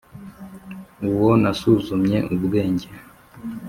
Uwo nasuzumye ubwenge